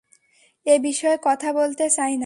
এ বিষয়ে কথা বলতে চাই না।